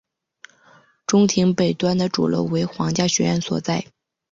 中庭北端的主楼为皇家学院所在。